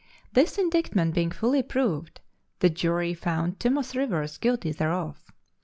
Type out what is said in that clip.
This indictment being fully proved, the jury found Thomas Rivers guilty thereof.